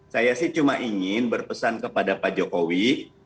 saya sih cuma ingin berpesan kepada pak jokowi